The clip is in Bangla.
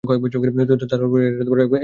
তার পরে এঁরা একবার দেখতেও এলেন না!